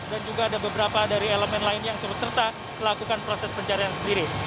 dan juga ada beberapa dari elemen lain yang serut serta melakukan proses pencarian sendiri